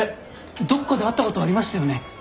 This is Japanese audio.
どっかで会ったことありましたよね？